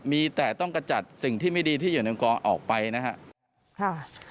มีแต่ต้องกระจัดสิ่งที่ไม่ดีที่อยู่ในกองออกไปนะครับ